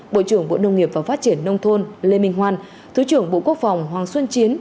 bộ trưởng bộ nông nghiệp và phát triển nông thôn lê minh hoan thứ trưởng bộ quốc phòng hoàng xuân chiến